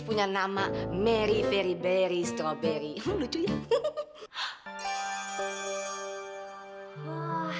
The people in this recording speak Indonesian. punya nama mary fairy berry strawberry lucu ya